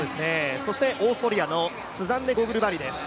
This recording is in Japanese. そしてオーストリアのスザンネ・ゴグルバリです。